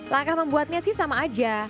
langkah membuatnya sih sama aja